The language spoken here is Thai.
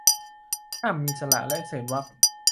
ห้ามมีสระและเศษวรรค